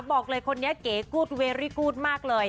บอกเลยคนนี้เก๋กู๊ดเวรี่กูธมากเลย